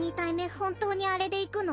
本当にあれでいくの？